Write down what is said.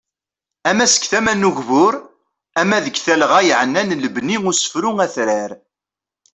Ama seg tama n ugbur, ama deg talɣa yaɛnan lebni usefru atrar.